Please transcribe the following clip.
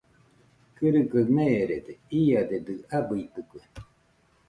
Kɨrɨgaɨ meerede, iadedɨ abɨitɨkue.